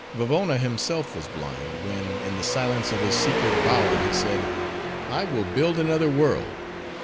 Vavona himself was blind: when, in the silence of his secret bower, he said—"I will build another world.